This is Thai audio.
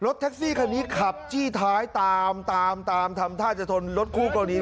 แท็กซี่คันนี้ขับจี้ท้ายตามตามทำท่าจะชนรถคู่กรณี